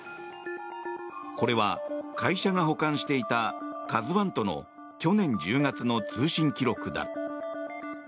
これは会社が保管していた「ＫＡＺＵ１」との去年１０月の通信記録だ。